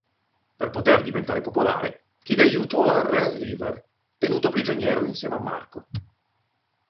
Per poter diventare popolare, chiede aiuto al re River, tenuto prigioniero insieme a Marco.